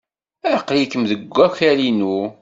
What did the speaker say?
Aql-iken deg wakal-inu.